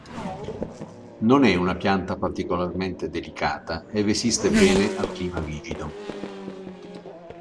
Non è una pianta particolarmente delicata e resiste bene al clima rigido.